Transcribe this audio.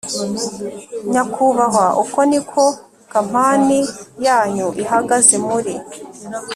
nyakubahwa uku niko kampani yanyu ihagaze mur